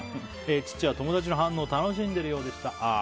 父は友達の反応を楽しんでいるようでした。